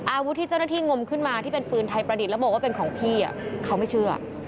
อาวุธที่เจ้าหน้าที่งมขึ้นมาที่เป็นปืนไทยประดิษฐ์แล้วบอกว่าเป็นของพี่เขาไม่เชื่อ